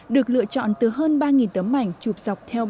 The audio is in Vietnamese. được lựa chọn từ hơn ba tấm ảnh chụp dọc theo